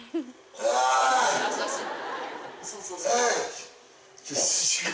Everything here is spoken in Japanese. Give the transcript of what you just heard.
そうそうそうそう。